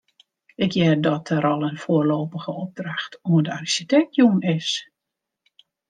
Ik hear dat der al in foarlopige opdracht oan de arsjitekt jûn is.